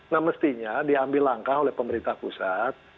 nah mestinya diambil langkah oleh pemerintah pusat